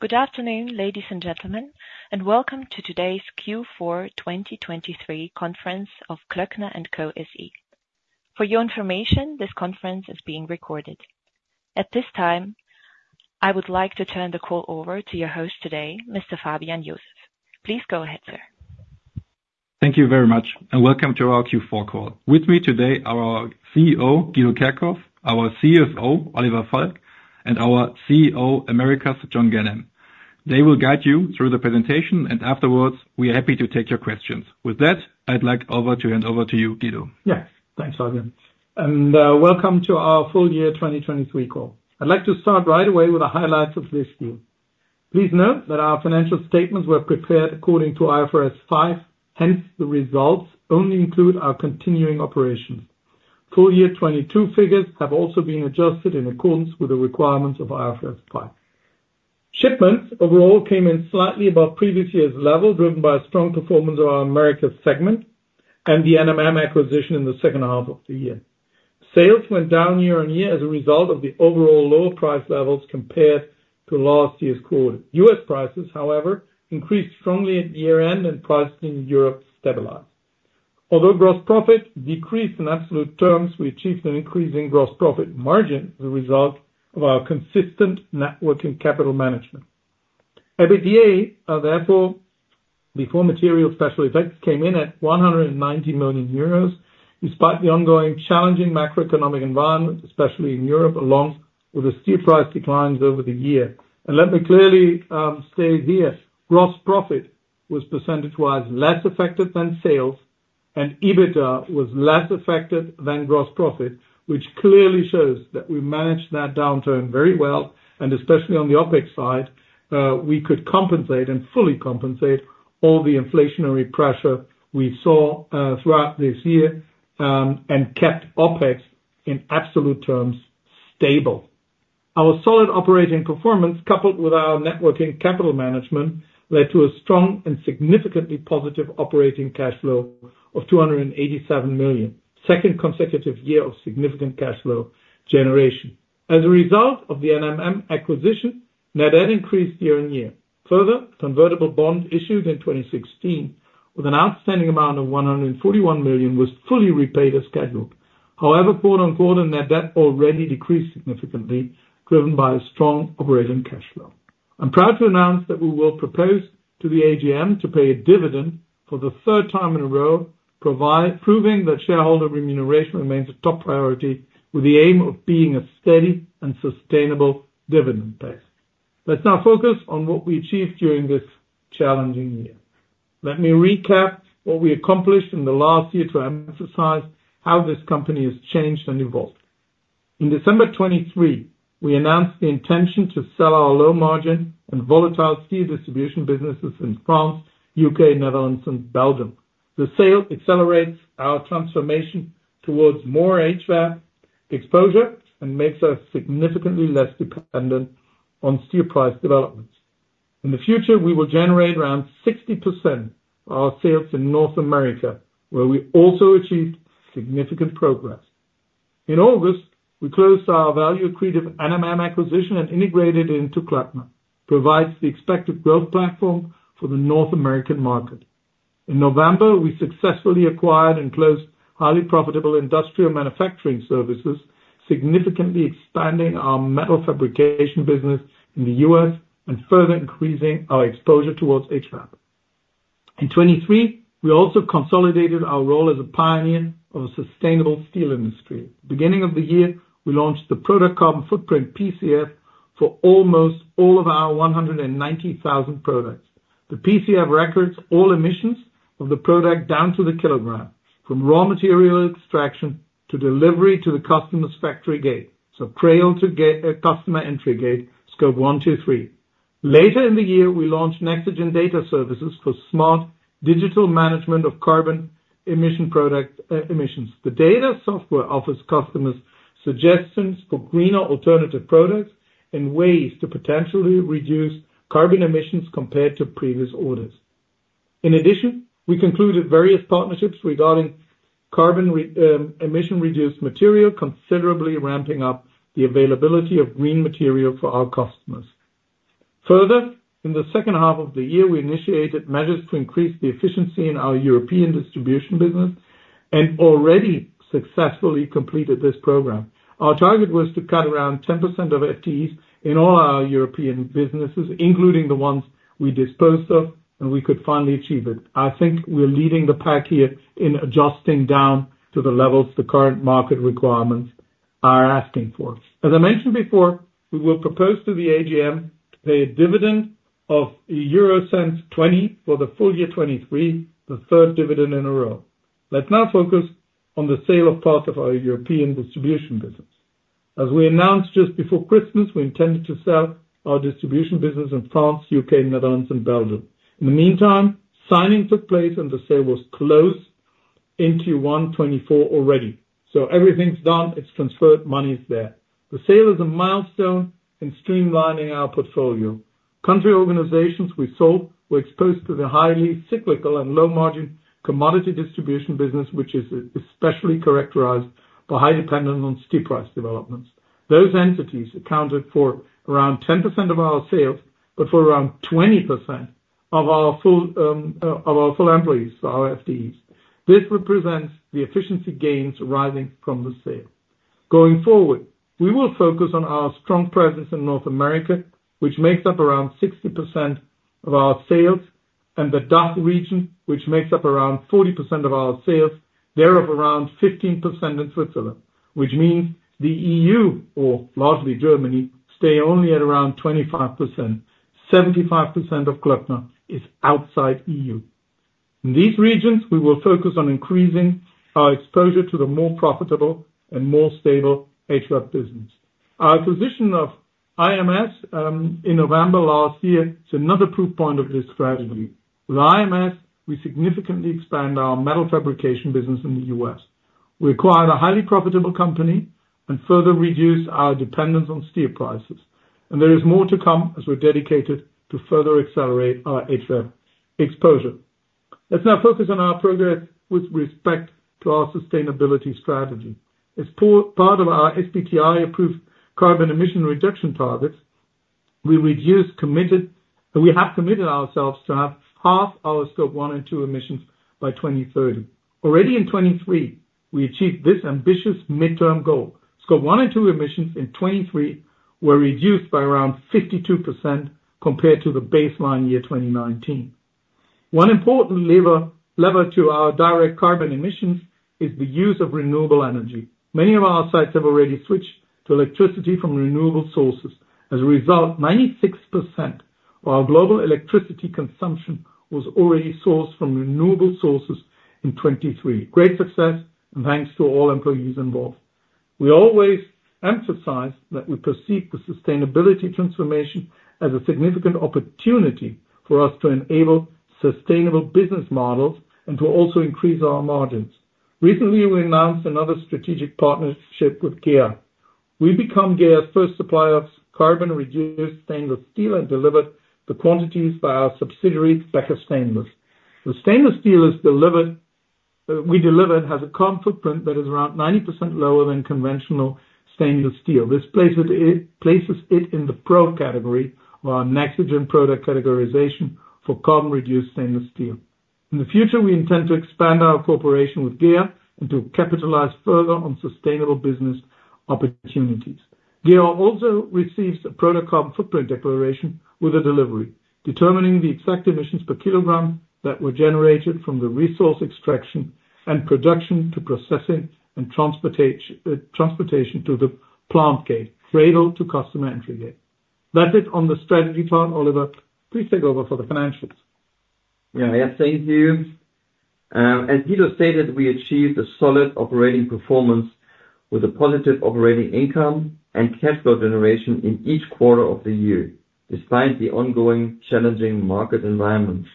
Good afternoon, ladies and gentlemen, and welcome to today's Q4 2023 conference of Klöckner & Co SE. For your information, this conference is being recorded. At this time, I would like to turn the call over to your host today, Mr. Fabian Joseph. Please go ahead, sir. Thank you very much, and welcome to our Q4 call. With me today are our CEO, Guido Kerkhoff, our CFO, Oliver Falk, and our CEO Americas, John Ganem. They will guide you through the presentation, and afterwards we are happy to take your questions. With that, I'd like to hand over to you, Guido. Yes, thanks, Fabian. Welcome to our full year 2023 call. I'd like to start right away with the highlights of this year. Please note that our financial statements were prepared according to IFRS 5, hence the results only include our continuing operations. Full year 2022 figures have also been adjusted in accordance with the requirements of IFRS 5. Shipments overall came in slightly above previous year's level, driven by a strong performance of our Americas segment and the NMM acquisition in the second half of the year. Sales went down year on year as a result of the overall lower price levels compared to last year's quarter. US prices, however, increased strongly at year-end, and prices in Europe stabilized. Although gross profit decreased in absolute terms, we achieved an increase in gross profit margin as a result of our consistent net working capital management. FATA, therefore, before material special effects, came in at 190 million euros, despite the ongoing challenging macroeconomic environment, especially in Europe, along with the steep price declines over the year. And let me clearly say here: gross profit was percentage-wise less affected than sales, and EBITDA was less affected than gross profit, which clearly shows that we managed that downturn very well. And especially on the OPEX side, we could compensate and fully compensate all the inflationary pressure we saw, throughout this year, and kept OPEX in absolute terms stable. Our solid operating performance, coupled with our net working capital management, led to a strong and significantly positive operating cash flow of 287 million, second consecutive year of significant cash flow generation. As a result of the NMM acquisition, net debt increased year-on-year. Further, convertible bonds issued in 2016 with an outstanding amount of 141 million was fully repaid as scheduled. However, quarter-over-quarter, net debt already decreased significantly, driven by a strong operating cash flow. I'm proud to announce that we will propose to the AGM to pay a dividend for the third time in a row, provide proving that shareholder remuneration remains a top priority with the aim of being a steady and sustainable dividend base. Let's now focus on what we achieved during this challenging year. Let me recap what we accomplished in the last year to emphasize how this company has changed and evolved. In December 2023, we announced the intention to sell our low-margin and volatile steel distribution businesses in France, UK, Netherlands, and Belgium. The sale accelerates our transformation towards more HVAC exposure and makes us significantly less dependent on steel price developments. In the future, we will generate around 60% of our sales in North America, where we also achieved significant progress. In August, we closed our value-accretive NMM acquisition and integrated it into Klöckner, which provides the expected growth platform for the North American market. In November, we successfully acquired and closed highly profitable Industrial Manufacturing Services, significantly expanding our metal fabrication business in the U.S. and further increasing our exposure towards HVAC. In 2023, we also consolidated our role as a pioneer of a sustainable steel industry. Beginning of the year, we launched the product carbon footprint PCF for almost all of our 190,000 products. The PCF records all emissions of the product down to the kilogram, from raw material extraction to delivery to the customer's factory gate, so cradle to gate customer's gate, Scope 1, 2, 3. Later in the year, we launched Nexigen data services for smart digital management of carbon emission, product emissions. The data software offers customers suggestions for greener alternative products and ways to potentially reduce carbon emissions compared to previous orders. In addition, we concluded various partnerships regarding carbon emission-reduced material, considerably ramping up the availability of green material for our customers. Further, in the second half of the year, we initiated measures to increase the efficiency in our European distribution business and already successfully completed this program. Our target was to cut around 10% of FTEs in all our European businesses, including the ones we disposed of, and we could finally achieve it. I think we're leading the pack here in adjusting down to the levels the current market requirements are asking for. As I mentioned before, we will propose to the AGM to pay a dividend of 0.20 for the full year 2023, the third dividend in a row. Let's now focus on the sale of part of our European distribution business. As we announced just before Christmas, we intended to sell our distribution business in France, U.K., Netherlands, and Belgium. In the meantime, signing took place, and the sale was closed into 124 already. So everything's done. It's transferred. Money's there. The sale is a milestone in streamlining our portfolio. Country organizations we sold were exposed to the highly cyclical and low-margin commodity distribution business, which is, especially characterized by high dependence on steel price developments. Those entities accounted for around 10% of our sales, but for around 20% of our full employees, so our FTEs. This represents the efficiency gains arising from the sale. Going forward, we will focus on our strong presence in North America, which makes up around 60% of our sales, and the DACH region, which makes up around 40% of our sales, thereof around 15% in Switzerland, which means the E.U., or largely Germany, stay only at around 25%. 75% of Klöckner is outside E.U. In these regions, we will focus on increasing our exposure to the more profitable and more stable HVAC business. Our acquisition of IMS, in November last year, is another proof point of this strategy. With IMS, we significantly expand our metal fabrication business in the U.S. We acquired a highly profitable company and further reduced our dependence on steel prices. And there is more to come as we're dedicated to further accelerate our HVAC exposure. Let's now focus on our progress with respect to our sustainability strategy. As part of our SBTi-approved carbon emission reduction targets, we have committed ourselves to halve our Scope 1 and 2 emissions by 2030. Already in 2023, we achieved this ambitious midterm goal. Scope 1 and 2 emissions in 2023 were reduced by around 52% compared to the baseline year 2019. One important lever to our direct carbon emissions is the use of renewable energy. Many of our sites have already switched to electricity from renewable sources. As a result, 96% of our global electricity consumption was already sourced from renewable sources in 2023. Great success, and thanks to all employees involved. We always emphasize that we perceive the sustainability transformation as a significant opportunity for us to enable sustainable business models and to also increase our margins. Recently, we announced another strategic partnership with GEA. We become GEA's first supplier of carbon-reduced stainless steel and deliver the quantities by our subsidiary, Becker Stainless. The stainless steel we delivered has a carbon footprint that is around 90% lower than conventional stainless steel. This places it in the Pro category of our Nexigen product categorization for carbon-reduced stainless steel. In the future, we intend to expand our cooperation with GEA and to capitalize further on sustainable business opportunities. GEA also receives a product carbon footprint declaration with a delivery, determining the exact emissions per kilogram that were generated from the resource extraction and production to processing and transportation to the plant gate, cradle to customer entry gate. That's it on the strategy part, Oliver. Please take over for the financials. Yeah, yes, thank you. As Guido stated, we achieved a solid operating performance with a positive operating income and cash flow generation in each quarter of the year, despite the ongoing challenging market environment.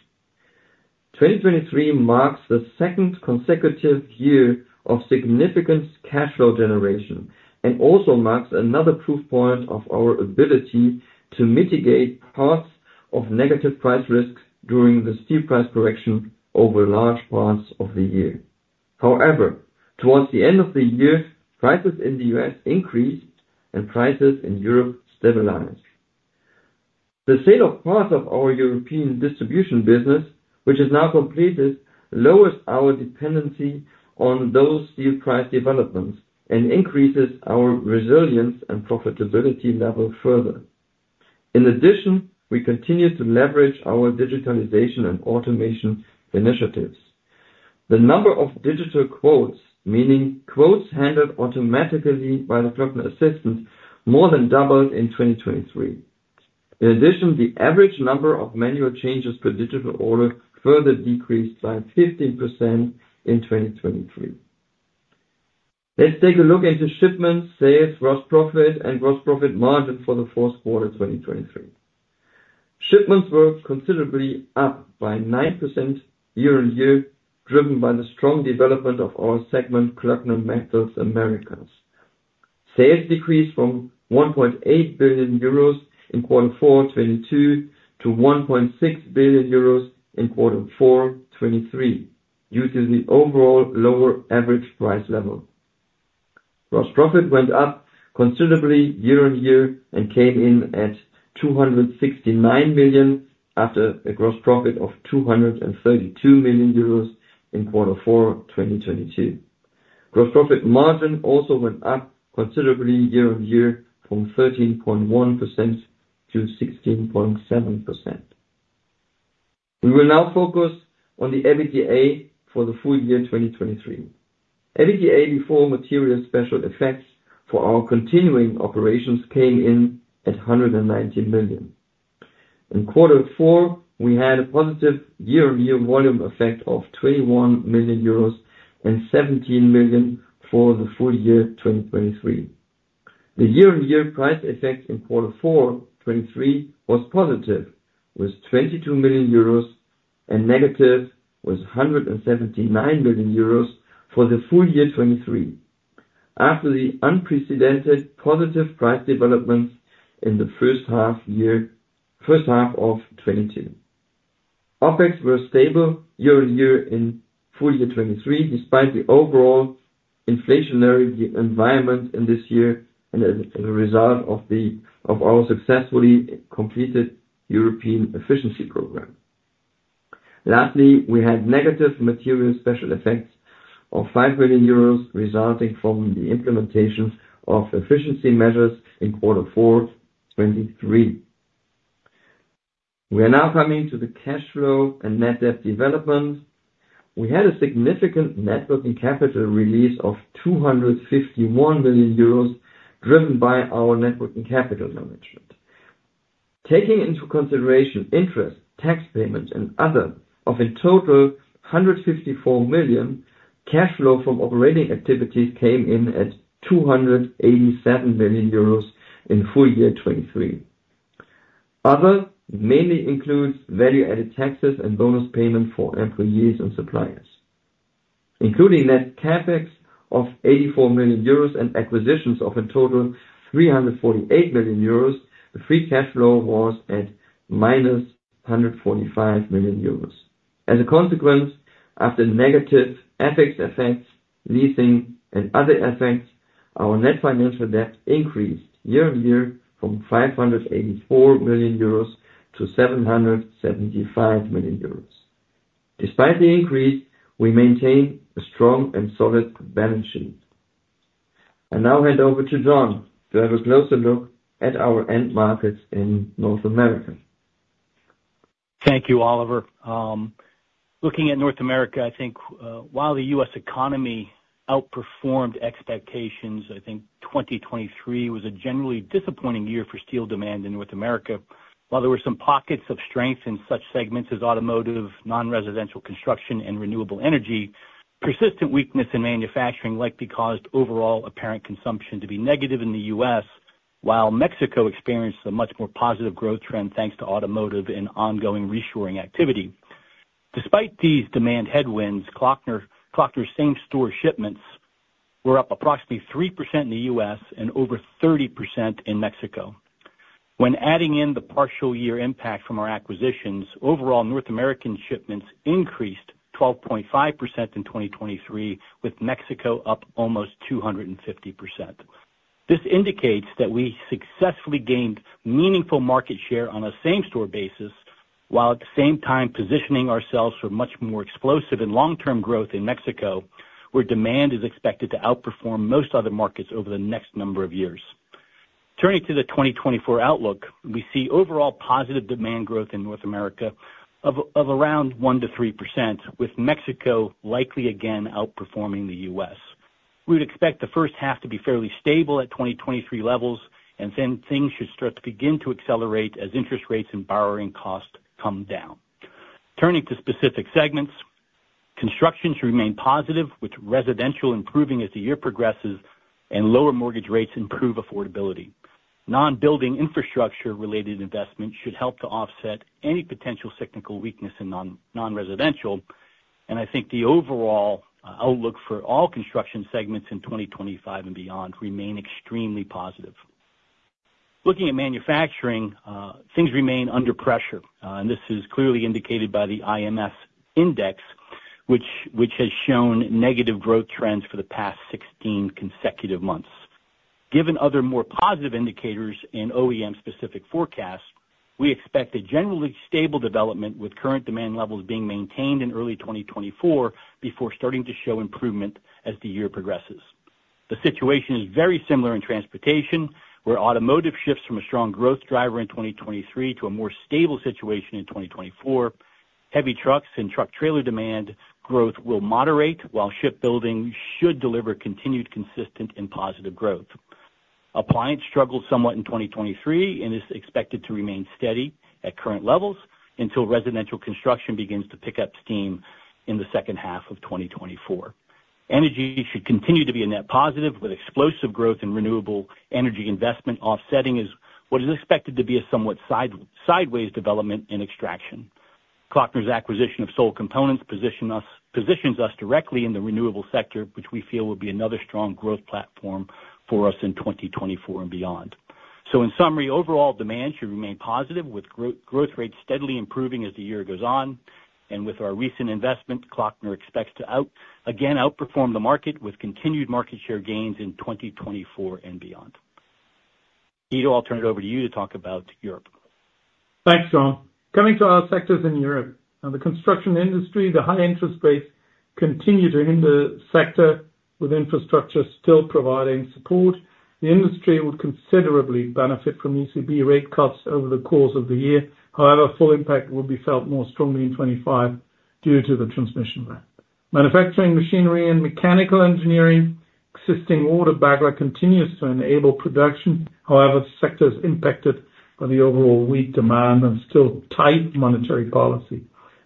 2023 marks the second consecutive year of significant cash flow generation and also marks another proof point of our ability to mitigate parts of negative price risk during the steel price correction over large parts of the year. However, towards the end of the year, prices in the U.S. increased, and prices in Europe stabilized. The sale of parts of our European distribution business, which is now completed, lowers our dependency on those steel price developments and increases our resilience and profitability level further. In addition, we continue to leverage our digitalization and automation initiatives. The number of digital quotes, meaning quotes handled automatically by the Klöckner Assistant, more than doubled in 2023. In addition, the average number of manual changes per digital order further decreased by 15% in 2023. Let's take a look into shipments, sales, gross profit, and gross profit margin for the fourth quarter 2023. Shipments were considerably up by 9% year on year, driven by the strong development of our segment, Klöckner Metals Americas. Sales decreased from 1.8 billion euros in quarter 4/2022 to 1.6 billion euros in quarter 4/2023 due to the overall lower average price level. Gross profit went up considerably year on year and came in at 269 million after a gross profit of 232 million euros in quarter 4/2022. Gross profit margin also went up considerably year on year from 13.1% to 16.7%. We will now focus on the FATA for the full year 2023. FATA before material special effects for our continuing operations came in at 190 million. In quarter 4, we had a positive year-on-year volume effect of 21 million euros and 17 million for the full year 2023. The year-on-year price effect in quarter 4/23 was positive, with 22 million euros, and negative, with 179 million euros for the full year 2023, after the unprecedented positive price developments in the first half of 2022. OPEX were stable year-on-year in full year 2023, despite the overall inflationary environment in this year and as a result of our successfully completed European efficiency program. Lastly, we had negative material special effects of 5 million euros resulting from the implementation of efficiency measures in quarter 4/23. We are now coming to the cash flow and net debt development. We had a significant net working capital release of 251 million euros, driven by our net working capital management. Taking into consideration interest, tax payments, and other, of in total 154 million, cash flow from operating activities came in at 287 million euros in full year 2023. Other mainly includes value-added taxes and bonus payments for employees and suppliers. Including net CapEx of 84 million euros and acquisitions of in total 348 million euros, the free cash flow was at minus 145 million euros. As a consequence, after negative FX effects, leasing, and other effects, our net financial debt increased year-on-year from 584 million euros to 775 million euros. Despite the increase, we maintain a strong and solid balance sheet. I now hand over to John to have a closer look at our end markets in North America. Thank you, Oliver. Looking at North America, I think, while the U.S. economy outperformed expectations, I think 2023 was a generally disappointing year for steel demand in North America. While there were some pockets of strength in such segments as automotive, non-residential construction, and renewable energy, persistent weakness in manufacturing likely caused overall apparent consumption to be negative in the U.S., while Mexico experienced a much more positive growth trend thanks to automotive and ongoing reshoring activity. Despite these demand headwinds, Klöckner Klöckner Same Store shipments were up approximately 3% in the U.S. and over 30% in Mexico. When adding in the partial year impact from our acquisitions, overall North American shipments increased 12.5% in 2023, with Mexico up almost 250%. This indicates that we successfully gained meaningful market share on a same-store basis, while at the same time positioning ourselves for much more explosive and long-term growth in Mexico, where demand is expected to outperform most other markets over the next number of years. Turning to the 2024 outlook, we see overall positive demand growth in North America of around 1%-3%, with Mexico likely again outperforming the US. We would expect the first half to be fairly stable at 2023 levels, and then things should start to begin to accelerate as interest rates and borrowing costs come down. Turning to specific segments, construction should remain positive, with residential improving as the year progresses and lower mortgage rates improve affordability. Non-building infrastructure-related investment should help to offset any potential cyclical weakness in non-residential, and I think the overall outlook for all construction segments in 2025 and beyond remain extremely positive. Looking at manufacturing, things remain under pressure, and this is clearly indicated by the ISM Index, which has shown negative growth trends for the past 16 consecutive months. Given other more positive indicators in OEM-specific forecasts, we expect a generally stable development, with current demand levels being maintained in early 2024 before starting to show improvement as the year progresses. The situation is very similar in transportation, where automotive shifts from a strong growth driver in 2023 to a more stable situation in 2024. Heavy trucks and truck-trailer demand growth will moderate, while shipbuilding should deliver continued consistent and positive growth. Appliance struggled somewhat in 2023 and is expected to remain steady at current levels until residential construction begins to pick up steam in the second half of 2024. Energy should continue to be a net positive, with explosive growth in renewable energy investment offsetting what is expected to be a somewhat sideways development in extraction. Klöckner's acquisition of Sol Components positions us directly in the renewable sector, which we feel will be another strong growth platform for us in 2024 and beyond. So in summary, overall demand should remain positive, with growth rates steadily improving as the year goes on, and with our recent investment, Klöckner expects to outperform the market with continued market share gains in 2024 and beyond. Guido, I'll turn it over to you to talk about Europe. Thanks, John. Coming to our sectors in Europe, the construction industry, the high interest rates continue to hinder sector, with infrastructure still providing support. The industry would considerably benefit from ECB rate cuts over the course of the year. However, full impact will be felt more strongly in 2025 due to the transmission ramp. Manufacturing machinery and mechanical engineering, existing order backlog continues to enable production. However, the sector is impacted by the overall weak demand and still tight monetary policy.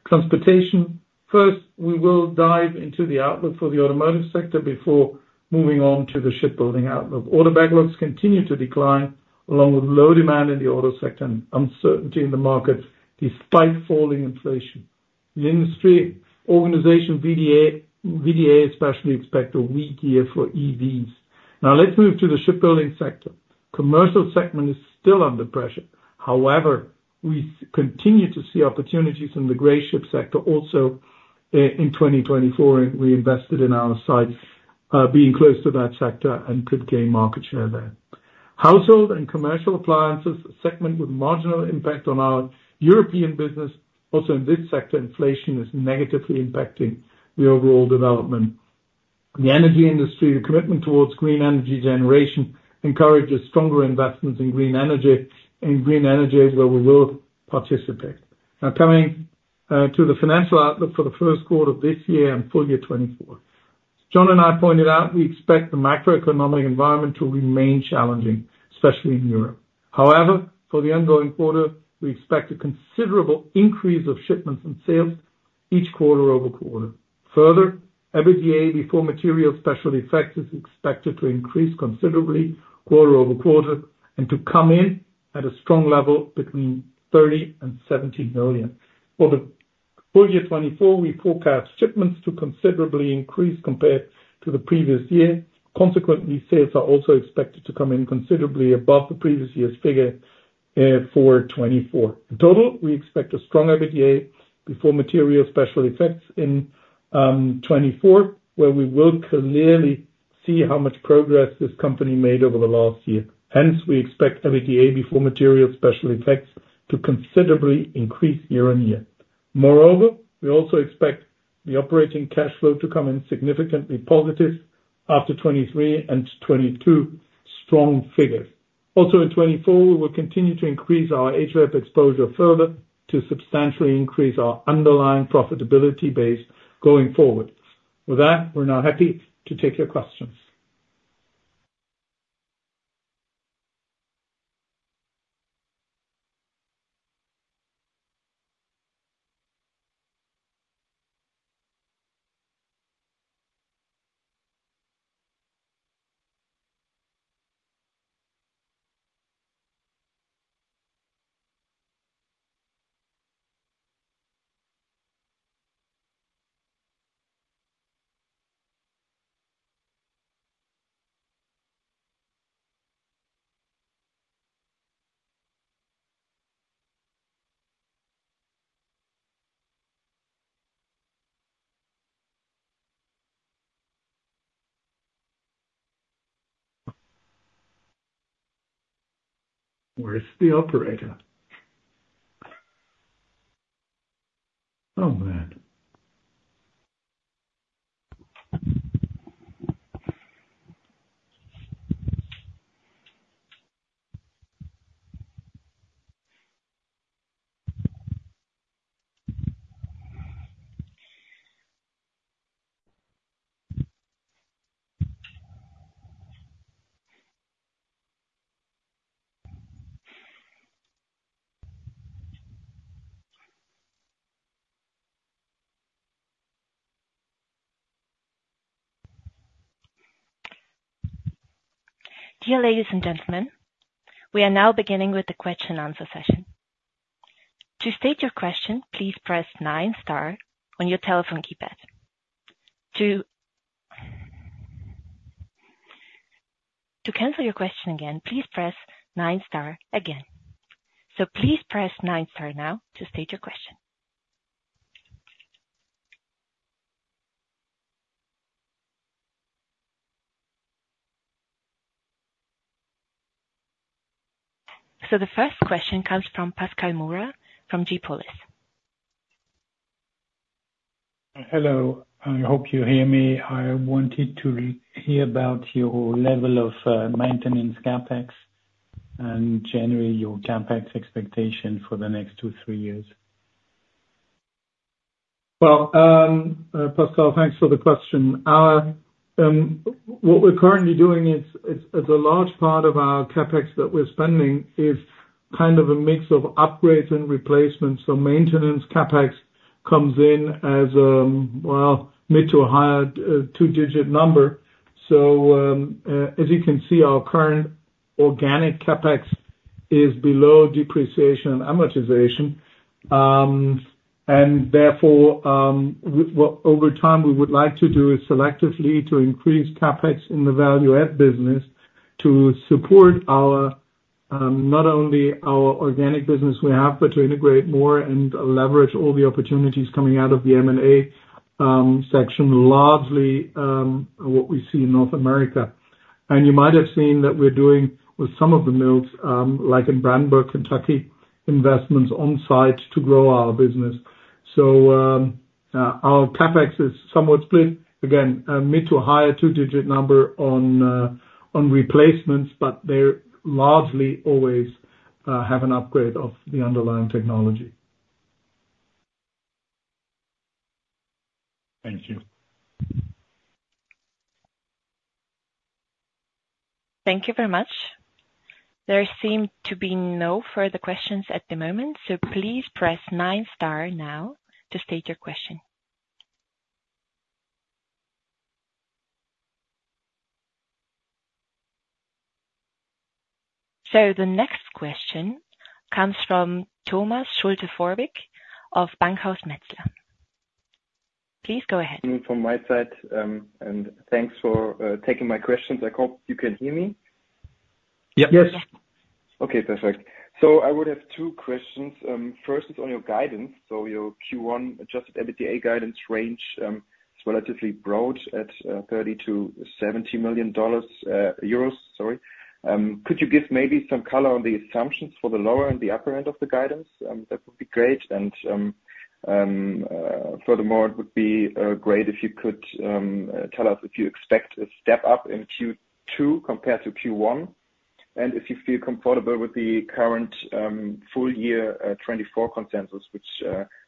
Transportation, first, we will dive into the outlook for the automotive sector before moving on to the shipbuilding outlook. Order backlogs continue to decline, along with low demand in the auto sector and uncertainty in the markets despite falling inflation. The industry organization VDA especially expect a weak year for EVs. Now, let's move to the shipbuilding sector. Commercial segment is still under pressure. However, we continue to see opportunities in the gray ship sector also in 2024, and we invested in our sites, being close to that sector and could gain market share there. Household and commercial appliances, a segment with marginal impact on our European business. Also in this sector, inflation is negatively impacting the overall development. The energy industry, the commitment towards green energy generation encourages stronger investments in green energy in green energy where we will participate. Now, coming to the financial outlook for the first quarter of this year and full year 2024. John and I pointed out we expect the macroeconomic environment to remain challenging, especially in Europe. However, for the ongoing quarter, we expect a considerable increase of shipments and sales quarter-over-quarter. Further, FATA before material special effects is expected to increase considerably quarter-over-quarter and to come in at a strong level between 30 million and 70 million. For the full year 2024, we forecast shipments to considerably increase compared to the previous year. Consequently, sales are also expected to come in considerably above the previous year's figure, for 2024. In total, we expect a strong FATA before material special effects in 2024, where we will clearly see how much progress this company made over the last year. Hence, we expect FATA before material special effects to considerably increase year-on-year. Moreover, we also expect the operating cash flow to come in significantly positive after 2023 and 2022 strong figures. Also in 2024, we will continue to increase our HVAC exposure further to substantially increase our underlying profitability base going forward. With that, we're now happy to take your questions. Where's the operator? Oh, man. Dear ladies and gentlemen, we are now beginning with the question-and-answer session. To state your question, please press nine star on your telephone keypad. To cancel your question again, please press nine star again. So please press nine star now to state your question. So the first question comes from Pascal Moura from GPOLIS. Hello. I hope you hear me. I wanted to hear about your level of maintenance CapEx and generally your CapEx expectation for the next 2-3 years. Well, Pascal, thanks for the question. Our, what we're currently doing is a large part of our CapEx that we're spending is kind of a mix of upgrades and replacements. So maintenance CapEx comes in as a, well, mid- to higher two-digit number. So, as you can see, our current organic CapEx is below depreciation and amortization, and therefore, what over time we would like to do is selectively to increase CapEx in the value-add business to support our, not only our organic business we have, but to integrate more and leverage all the opportunities coming out of the M&A, especially largely, what we see in North America. And you might have seen that we're doing with some of the mills, like in Brandenburg, Kentucky, investments on-site to grow our business. So, our CapEx is somewhat split. Again, a mid- to higher two-digit number on replacements, but they're largely always have an upgrade of the underlying technology. Thank you. Thank you very much. There seem to be no further questions at the moment, so please press nine star now to state your question. So the next question comes from Thomas Schulte-Vorwick of Bankhaus Metzler. Please go ahead. From my side, thanks for taking my questions. I hope you can hear me. Yep. Yes. Yes. Okay, perfect. So I would have two questions. First is on your guidance. So your Q1 adjusted FATA guidance range is relatively broad at EUR 30 million-EUR 70 million, sorry. Could you give maybe some color on the assumptions for the lower and the upper end of the guidance? That would be great. And furthermore, it would be great if you could tell us if you expect a step up in Q2 compared to Q1 and if you feel comfortable with the current full-year 2024 consensus, which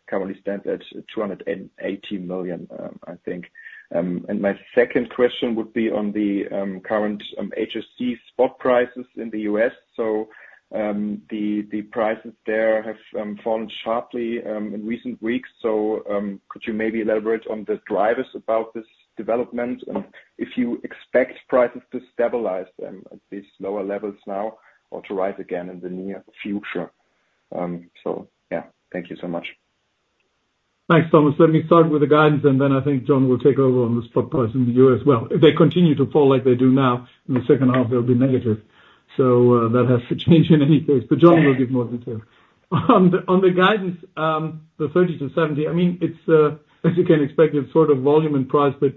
currently stands at 280 million, I think. And my second question would be on the current HSC spot prices in the US. So the prices there have fallen sharply in recent weeks. So, could you maybe elaborate on the drivers about this development and if you expect prices to stabilize at these lower levels now or to rise again in the near future? So yeah, thank you so much. Thanks, Thomas. Let me start with the guidance, and then I think John will take over on the spot price in the US. Well, if they continue to fall like they do now, in the second half, they'll be negative. So, that has to change in any case. But John will give more detail. On the guidance, the 30-70, I mean, it's, as you can expect, it's sort of volume and price, but,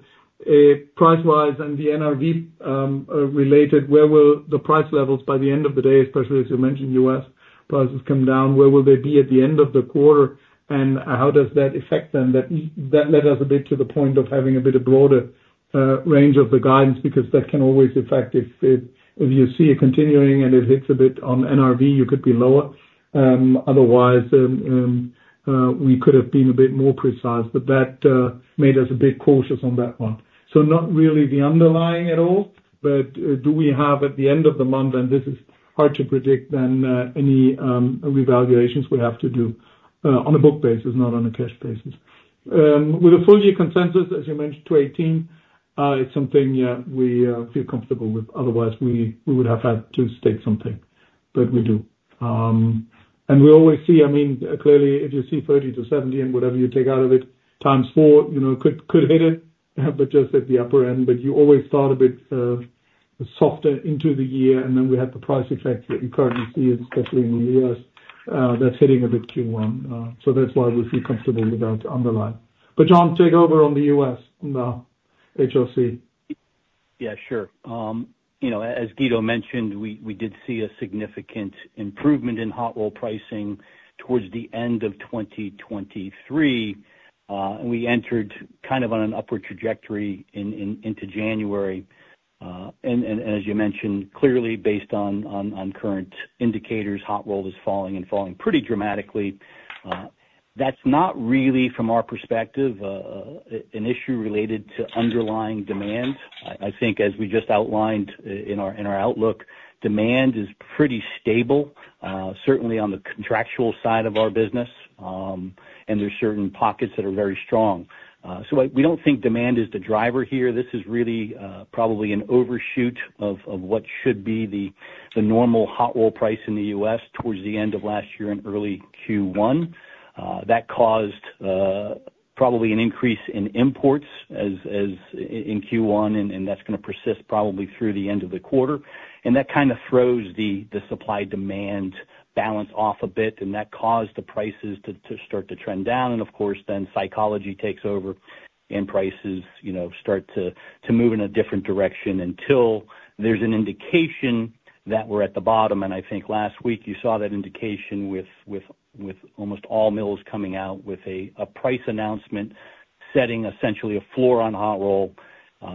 price-wise and the NRV, related, where will the price levels by the end of the day, especially as you mentioned US prices come down, where will they be at the end of the quarter, and how does that affect them? That led us a bit to the point of having a bit broader range of the guidance because that can always affect if you see a continuing and it hits a bit on NRV, you could be lower. Otherwise, we could have been a bit more precise, but that made us a bit cautious on that one. So not really the underlying at all, but do we have at the end of the month, and this is hard to predict, then any revaluations we have to do on a book basis, not on a cash basis. With a full-year consensus, as you mentioned, 2018, it's something, yeah, we feel comfortable with. Otherwise, we would have had to state something, but we do. We always see, I mean, clearly, if you see 30-70 and whatever you take out of it times four, you know, could hit it, but just at the upper end. But you always start a bit softer into the year, and then we have the price effect that you currently see, especially in the US, that's hitting a bit Q1. So that's why we feel comfortable with our underlying. But John, take over on the US, on the HSC. Yeah, sure. You know, as Guido mentioned, we did see a significant improvement in hot roll pricing towards the end of 2023, and we entered kind of on an upward trajectory into January. And as you mentioned, clearly based on current indicators, hot roll is falling and falling pretty dramatically. That's not really, from our perspective, an issue related to underlying demand. I think, as we just outlined in our outlook, demand is pretty stable, certainly on the contractual side of our business, and there's certain pockets that are very strong. So we don't think demand is the driver here. This is really probably an overshoot of what should be the normal hot roll price in the U.S. towards the end of last year and early Q1. That caused probably an increase in imports as in Q1, and that's going to persist probably through the end of the quarter. And that kind of throws the supply-demand balance off a bit, and that caused the prices to start to trend down. And of course, then psychology takes over, and prices, you know, start to move in a different direction until there's an indication that we're at the bottom. And I think last week you saw that indication with almost all mills coming out with a price announcement setting essentially a floor on hot roll.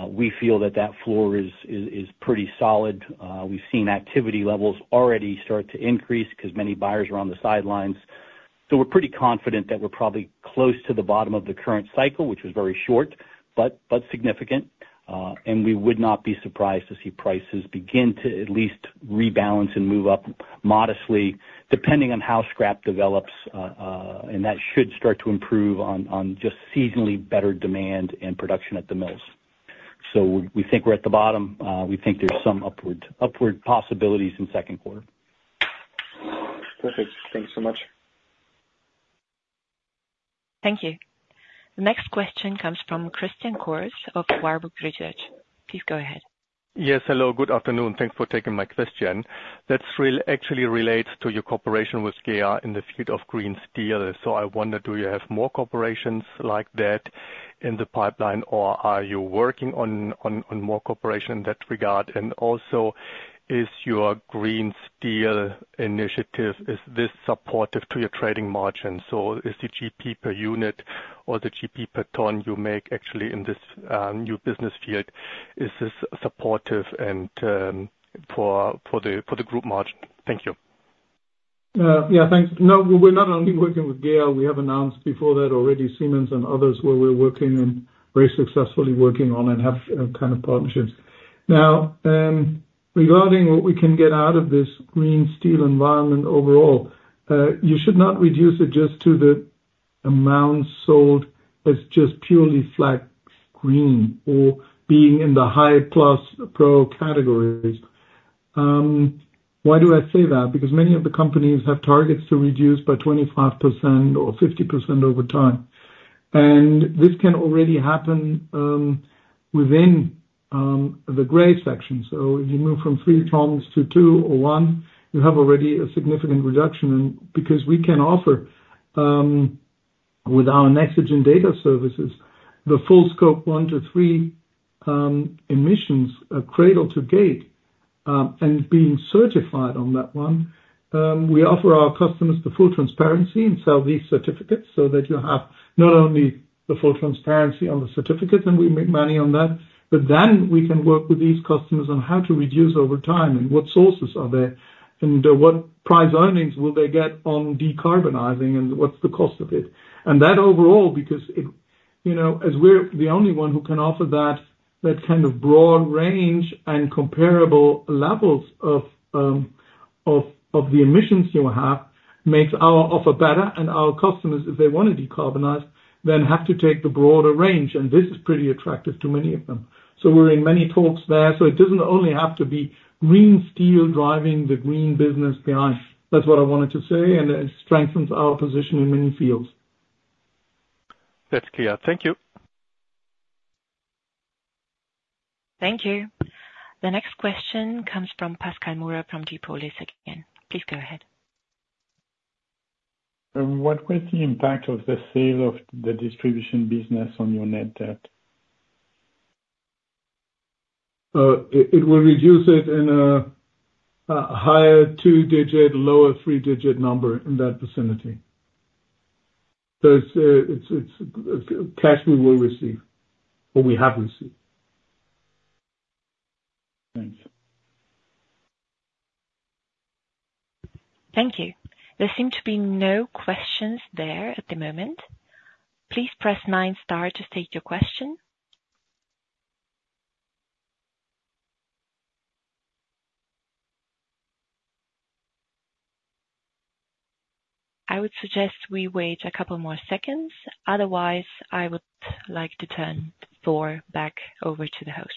We feel that that floor is pretty solid. We've seen activity levels already start to increase because many buyers are on the sidelines. So we're pretty confident that we're probably close to the bottom of the current cycle, which was very short, but, but significant. We would not be surprised to see prices begin to at least rebalance and move up modestly, depending on how scrap develops, and that should start to improve on, on just seasonally better demand and production at the mills. So we, we think we're at the bottom. We think there's some upward, upward possibilities in second quarter. Perfect. Thanks so much. Thank you. The next question comes from Christian Cohrs of Warburg Research. Please go ahead. Yes, hello. Good afternoon. Thanks for taking my question. That's really actually relates to your cooperation with GEA in the field of green steel. So I wonder, do you have more cooperations like that in the pipeline, or are you working on more corporations in that regard? And also, is your green steel initiative, is this supportive to your trading margin? So is the GP per unit or the GP per ton you make actually in this new business field, is this supportive for the group margin? Thank you. Yeah, thanks. No, we're not only working with GEA. We have announced before that already Siemens and others where we're working and very successfully working on and have kind of partnerships. Now, regarding what we can get out of this green steel environment overall, you should not reduce it just to the amount sold as just purely flagged green or being in the high-plus pro categories. Why do I say that? Because many of the companies have targets to reduce by 25% or 50% over time. And this can already happen within the gray section. So if you move from three tons to two or one, you have already a significant reduction. And because we can offer, with our Nexigen data services, the full Scope 1 to 3 emissions, cradle to gate, and being certified on that one, we offer our customers the full transparency and sell these certificates so that you have not only the full transparency on the certificates, and we make money on that, but then we can work with these customers on how to reduce over time and what sources are there and what price earnings will they get on decarbonizing and what's the cost of it. And that overall, because it, you know, as we're the only one who can offer that, that kind of broad range and comparable levels of the emissions you have, makes our offer better. And our customers, if they want to decarbonize, then have to take the broader range. And this is pretty attractive to many of them. We're in many talks there. It doesn't only have to be green steel driving the green business behind. That's what I wanted to say. It strengthens our position in many fields. That's clear. Thank you. Thank you. The next question comes from Pascal Moura from GPOLIS again. Please go ahead. What was the impact of the sale of the distribution business on your net debt? It will reduce it in a higher two-digit, lower three-digit number in that vicinity. So it's cash we will receive or we have received. Thanks. Thank you. There seem to be no questions there at the moment. Please press 9 star to state your question. I would suggest we wait a couple more seconds. Otherwise, I would like to turn the floor back over to the host.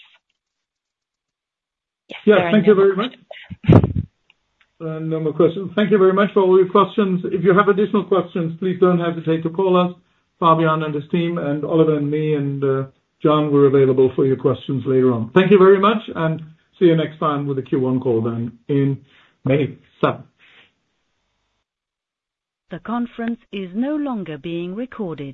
Yes, very much. Yeah. Thank you very much. No more questions. Thank you very much for all your questions. If you have additional questions, please don't hesitate to call us. Fabian and his team and Oliver and me and John were available for your questions later on. Thank you very much, and see you next time with the Q1 call then in May 7th. The conference is no longer being recorded.